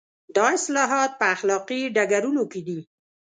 دا اصلاحات په اخلاقي ډګرونو کې دي.